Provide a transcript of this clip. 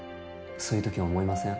そういうとき思いません？